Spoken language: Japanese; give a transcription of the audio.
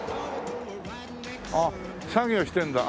あっ作業してるんだ。